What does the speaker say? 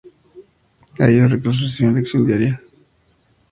Allí, los reclusos recibían lección diaria.